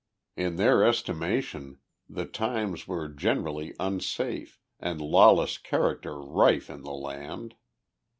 In their estimation, the times were generally unsafe, and lawless characters rife in the land.